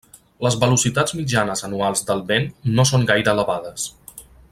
Les velocitats mitjanes anuals del vent no són gaire elevades.